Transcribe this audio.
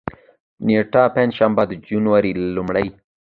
نېټه: پنجشنبه، د جنوري لومړۍ